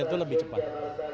itu lebih cepat